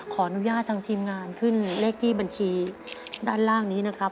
ขออนุญาตทางทีมงานขึ้นเลขที่บัญชีด้านล่างนี้นะครับ